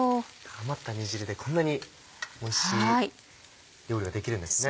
余った煮汁でこんなにおいしい料理ができるんですね。